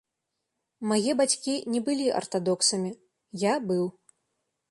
Мае бацькі не былі артадоксамі, я быў.